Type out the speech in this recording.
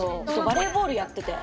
バレーボールやってて。